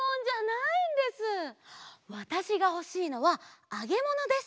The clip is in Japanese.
わたしがほしいのはあげものです！